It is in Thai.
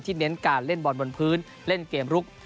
เน้นการเล่นบอลบนพื้นเล่นเกมลุก